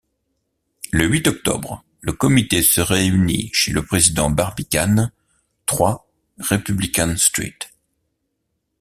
Le huit octobre, le Comité se réunit chez le président Barbicane, trois, Republican-street.